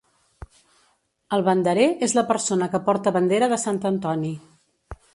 El Banderer és la persona que porta bandera de Sant Antoni.